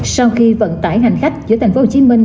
sau khi vận tải hành khách giữa thành phố hồ chí minh